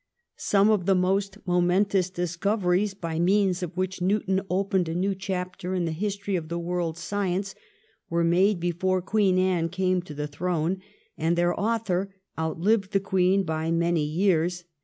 Some of the most momentous discoveries, by means of which Newton opened a new chapter in the history of the world's science, were made before Queen Anne came to the throne, and their author outlived the Queen by many years.